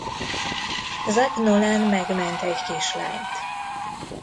Zach Nolan megment egy kis lányt.